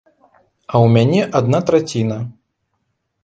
А ў мяне адна траціна.